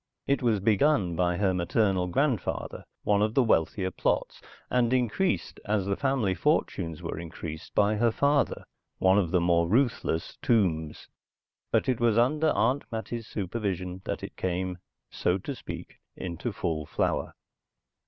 It was begun by her maternal grandfather, one of the wealthier Plots, and increased as the family fortunes were increased by her father, one of the more ruthless Tombs, but it was under Aunt Mattie's supervision that it came, so to speak, into full flower.